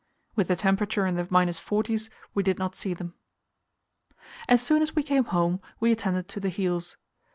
With the temperature in the 40's, we did not see them. As soon as we came home, we attended to the heels.